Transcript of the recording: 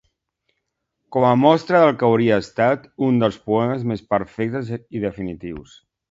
Com a mostra del que hauria estat un dels poemes més perfectes i definitius.